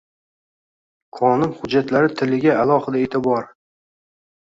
Qonun hujjatlari tiliga alohida e’tiborng